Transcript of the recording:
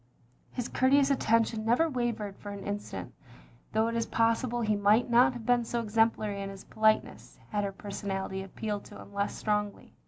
His cotirteous attention never wavered for an OF GROSVENOR SQUARE 119 instant; though it is possible he might not have been so exemplary in his politeness had her per sonality appealed to him less strongly.